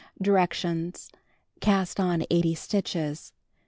Directions: Cast on 80 stitches.